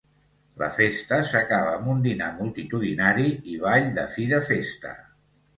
La festa s'acaba amb un dinar multitudinari i ball de fi de festa.